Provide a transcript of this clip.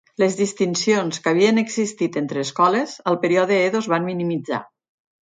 Les distincions que havien existit entre escoles al període Edo es van minimitzar.